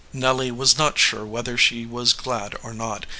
Nelly was not sure whether she was glad or not.